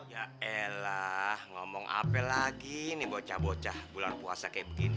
yaelah ngomong apa lagi nih bocah bocah bulan puasa kaya begini